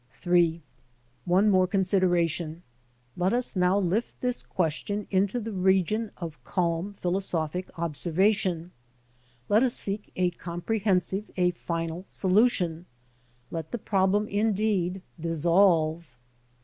III. One more consideration. Let us now lift this question into the region of calm, philosophic observation. Let us seek a comprehensive, a final solution : let the problem indeed dissolve.